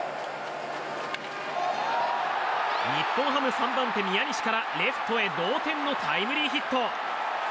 日本ハムの３番手、宮西からレフトへ同点のタイムリーヒット。